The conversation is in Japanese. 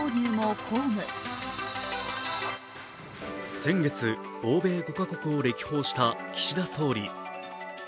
先月、欧米５か国を歴訪した岸田総理。